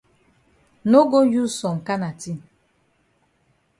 No go use some kana tin.